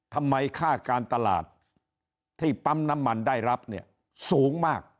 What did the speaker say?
ค่าการตลาดที่ปั๊มน้ำมันได้รับเนี่ยสูงมาก